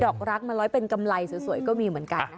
ดอกลักษณ์มาร้อยเป็นกำไรสวยก็มีเหมือนกัน